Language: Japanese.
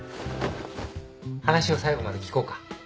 話を最後まで聞こうか。